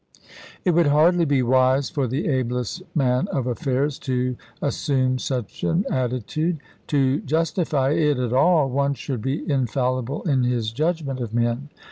It would hardly be wise for the ablest man of affairs to as sume such an attitude. To justify it at all one should be infallible in his judgment of men.